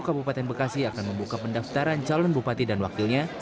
kabupaten bekasi akan membuka pendaftaran calon bupati dan wakilnya